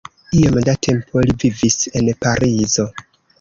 Iom da tempo li vivis en Parizo.